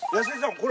これ。